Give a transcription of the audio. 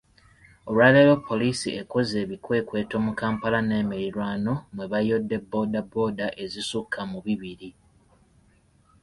Olwaleero Poliisi ekoze ebikwekweto mu Kampala n'emirirwano mwe bayodde boda boda ezisukka mu bibiri.